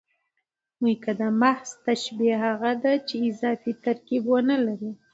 مؤکده محض تشبیه هغه ده، چي اضافي ترکیب و نه لري.